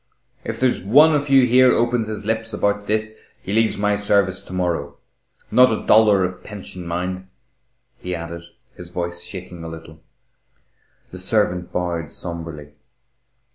"If there's one of you here opens his lips about this, he leaves my service to morrow. Not a dollar of pension, mind," he added, his voice shaking a little. The servant bowed sombrely.